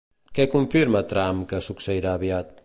Què confirma Trump que succeirà aviat?